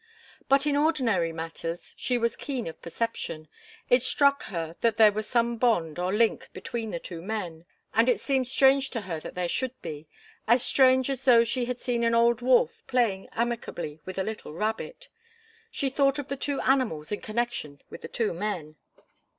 But in ordinary matters she was keen of perception. It struck her that there was some bond or link between the two men, and it seemed strange to her that there should be as strange as though she had seen an old wolf playing amicably with a little rabbit. She thought of the two animals in connection with the two men.